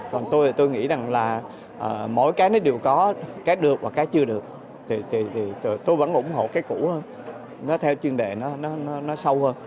còn tôi thì tôi nghĩ rằng là mỗi cái nó đều có cái được và cái chưa được thì tôi vẫn ủng hộ cái cũ hơn nó theo chuyên đề nó sâu hơn